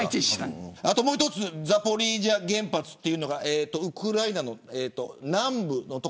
ザポリージャ原発というのがウクライナ南部の所